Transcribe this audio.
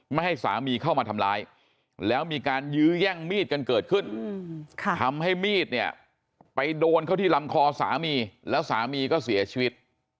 ไม่ให้สามีเข้ามาทำร้ายแล้วมีการยื้อแย่งมีดกันเกิดขึ้นทำให้มีดเนี่ยไปโดนเข้าที่ลำคอสามีแล้วสามีก็เสียชีวิต